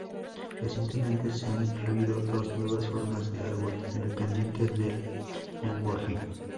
Recientemente se han incluido dos nuevas formas de árbol independientes del lenguaje.